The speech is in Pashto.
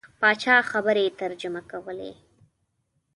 پاچا خبرې ترجمه کولې.